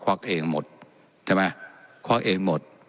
วักเองหมดใช่ไหมควักเองหมด